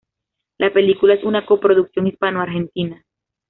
La película es una coproducción hispanoargentina.